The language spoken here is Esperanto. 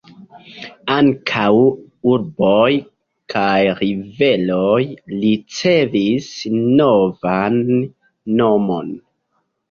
Ankaŭ urboj kaj riveroj ricevis novan nomon.